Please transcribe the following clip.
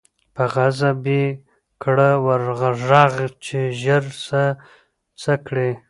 په غضب یې کړه ور ږغ چي ژر سه څه کړې